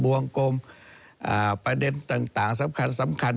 วงกลมประเด็นต่างสำคัญ